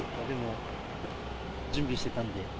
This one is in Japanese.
でも準備してたんで。